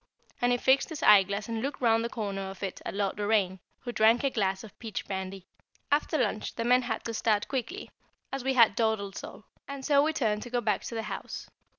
and he fixed his eyeglass and looked round the corner of it at Lord Doraine, who drank a glass of peach brandy. After lunch the men had to start quickly, as we had dawdled so, and so we turned to go back to the house.